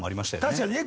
確かにね。